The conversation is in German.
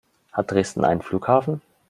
Hat Dresden einen Flughafen?